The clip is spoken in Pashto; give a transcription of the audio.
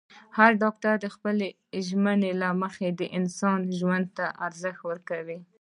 هر ډاکټر د خپلې ژمنې له مخې د انسان ژوند ته ارزښت ورکوي.